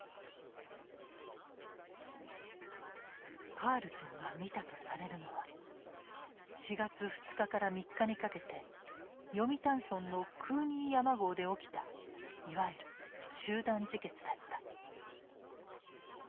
カールソンが見たとされるのは４月２日から３日にかけて読谷村のクーニー山壕で起きたいわゆる集団自決だった。